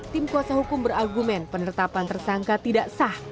tim kuasa hukum berargumen penetapan tersangka tidak sah